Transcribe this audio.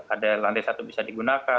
ada lantai satu bisa digunakan